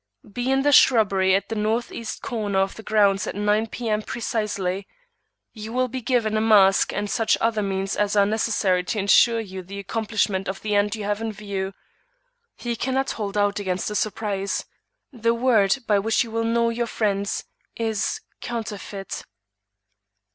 Be in the shrubbery at the northeast corner of the grounds at 9 P.M. precisely; you will be given a mask and such other means as are necessary to insure you the accomplishment of the end you have in view. He cannot hold out against a surprise. The word, by which you will know your friends, is COUNTERFEIT."